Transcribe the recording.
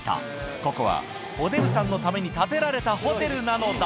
ここはおデブさんのために建てられたホテルなのだ。